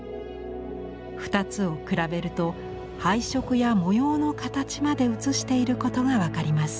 ２つを比べると配色や模様の形まで写していることが分かります。